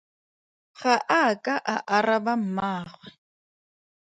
Ga a ka a araba mmaagwe.